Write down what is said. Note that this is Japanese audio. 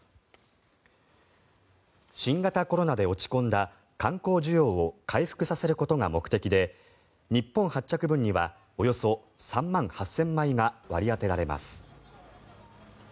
新型コロナで落ち込んだ観光需要を回復させることが目的で日本発着分にはおよそ３万８０００枚が割り当てられます。